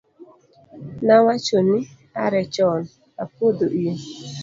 nawachoni are chon, apuodho in